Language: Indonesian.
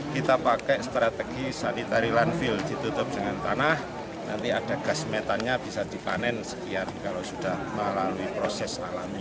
kita pakai strategi sanitary landfill ditutup dengan tanah nanti ada gas metannya bisa dipanen sekian kalau sudah melalui proses alami